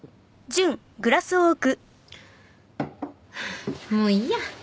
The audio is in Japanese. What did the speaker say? はぁもういいや。